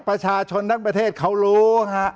ประชาชนทั้งประเทศเขารู้ฮะ